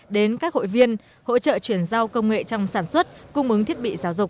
đến các hội viên hỗ trợ chuyển giao công nghệ trong sản xuất cung ứng thiết bị giáo dục